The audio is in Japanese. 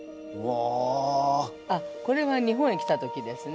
あっこれは日本へ来た時ですね。